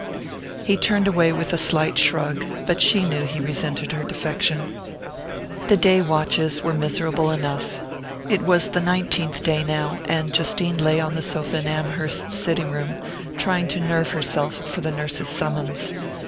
He turned away with a slight shrug; but she knew he resented her defection. The day watches were miserable enough. It was the nineteenth day now; and Justine lay on the sofa in Amherst's sitting room, trying to nerve herself for the nurse's summons.